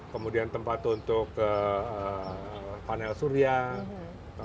kemudian tempat untuk panel surya